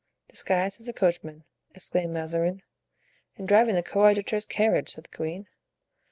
"Disguised as a coachman!" exclaimed Mazarin. "And driving the coadjutor's carriage!" said the queen.